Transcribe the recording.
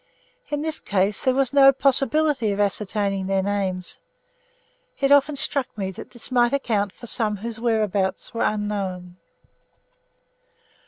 In this case there was no possibility of ascertaining their names. It often struck me that this might account for some whose whereabouts were unknown.